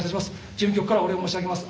事務局からお礼申し上げます。